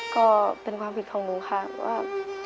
ก็เป็นความผิดของหนูค่ะว่า